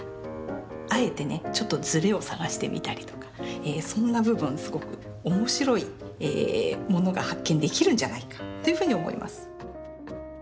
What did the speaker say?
あえてねちょっとズレを探してみたりとかそんな部分すごくおもしろいものが発見できるんじゃないかっていうふうに思います。